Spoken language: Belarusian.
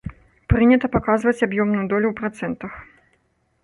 Прынята паказваць аб'ёмную долю ў працэнтах.